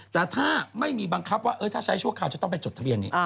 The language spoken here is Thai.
แต่ถ้าไม่มีบังคับว่าถ้าใช้ชั่วคราวจะต้องไปจดทะเบียนนี้